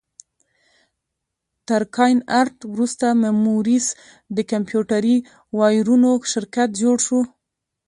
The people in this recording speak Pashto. تر کاین ارټ وروسته مموریکس د کمپیوټري وایرونو شرکت جوړ شو.